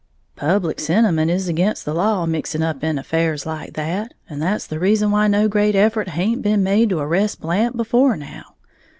Public sentiment is again' the law mixing up in affairs like that, and that's the reason why no great effort haint been made to arrest Blant before now.